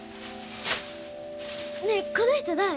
ねえこの人誰？